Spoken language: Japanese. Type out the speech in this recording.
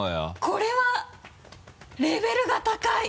これはレベルが高い。